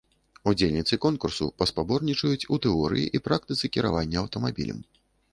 Удзельніцы конкурсу паспаборнічаюць у тэорыі і практыцы кіравання аўтамабілем.